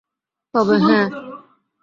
তবে, হ্যাঁ।